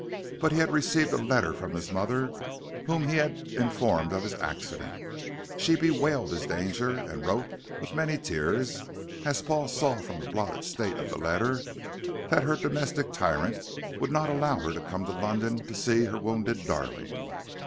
But he had received a letter from his mother, whom he had informed of his accident. She bewailed his danger, and wrote with many tears as Paul saw from the blotted state of the letter that her domestic tyrant would not allow her to come to London to see her wounded darling.